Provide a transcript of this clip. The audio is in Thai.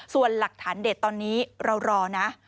ส่วนหลักฐานเด็ดตอนนี้เรารอนะ